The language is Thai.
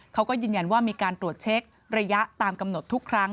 เขาก็ยืนยันว่ามีการตรวจเช็คระยะตามกำหนดทุกครั้ง